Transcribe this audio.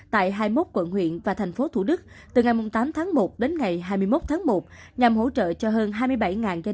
tại hai mươi một quận huyện và thành phố thủ đức từ ngày tám tháng một đến ngày hai mươi một tháng một nhằm hỗ trợ cho hơn hai mươi bảy gia đình khó khăn